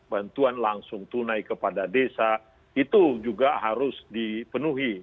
bantuan langsung tunai kepada desa itu juga harus dipenuhi